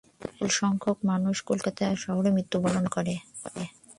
বিপুল সংখ্যক মানুষ কলকাতা শহরে মৃত্যুবরণ করে।